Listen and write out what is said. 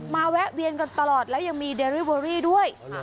แวะเวียนกันตลอดแล้วยังมีเดรี่เวอรี่ด้วย